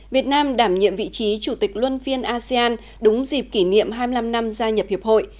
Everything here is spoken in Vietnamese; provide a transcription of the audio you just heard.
việt nam đảm nhiệm vị trí chủ tịch luân phiên asean đúng dịp kỷ niệm hai mươi năm năm gia nhập hiệp hội